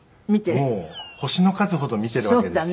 もう星の数ほど見ているわけですよ。